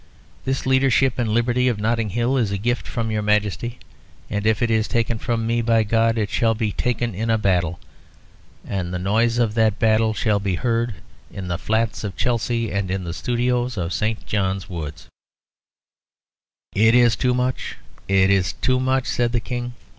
This leadership and liberty of Notting Hill is a gift from your Majesty, and if it is taken from me, by God! it shall be taken in battle, and the noise of that battle shall be heard in the flats of Chelsea and in the studios of St. John's Wood." "It is too much it is too much," said the King.